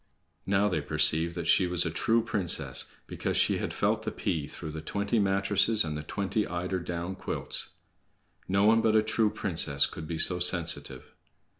Now they perceived that she was a true princess, because she had felt the pea through the twenty mattresses and the twenty eider down quilts. No one but a true princess could be so sensitive.